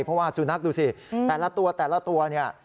เพราะว่าสุนัขดูสิแต่ละตัวแต่ละตัวเนี่ย